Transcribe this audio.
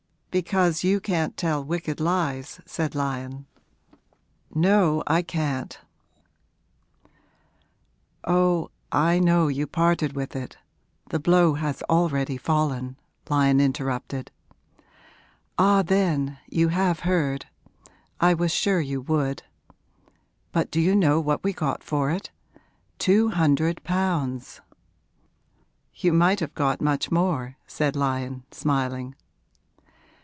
'Because you can't tell wicked lies,' said Lyon. 'No, I can't. So before you ask for it ' 'Oh, I know you parted with it the blow has already fallen,' Lyon interrupted. 'Ah then, you have heard? I was sure you would! But do you know what we got for it? Two hundred pounds.' 'You might have got much more,' said Lyon, smiling.